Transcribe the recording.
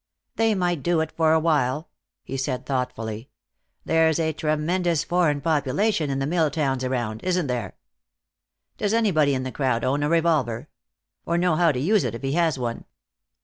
"They might do it, for a while," he said thoughtfully. "There's a tremendous foreign population in the mill towns around, isn't there? Does anybody in the crowd own a revolver? Or know how to use it if he has one."